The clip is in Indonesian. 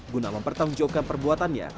guna mempertanggungjawabkan perbuatannya